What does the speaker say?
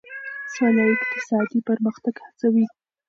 سوله اقتصادي پرمختګ هڅوي.